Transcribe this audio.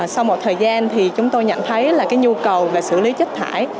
sau một thời gian thì chúng tôi nhận thấy là cái nhu cầu là xử lý chất hải